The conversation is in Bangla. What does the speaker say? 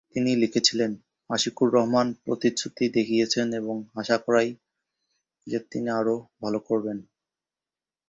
তিনি লিখেছিলেন, "আশিকুর রহমান প্রতিশ্রুতি দেখিয়েছেন, এবং আশা করাই যে তিনি আরও ভালো করবেন।"